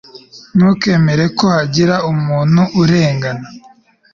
ntukemere ko hagira umuntu urengana